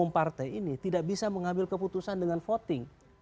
umum partai ini tidak bisa mengambil keputusan dengan voting